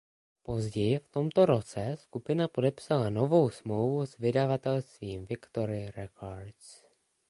Později v tomto roce skupina podepsala novou smlouvu s vydavatelstvím Victory Records.